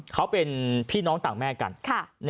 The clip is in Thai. เขาเป็นพี่น้องต่างแม่กัน